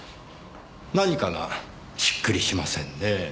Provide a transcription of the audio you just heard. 何かがしっくりしませんねぇ。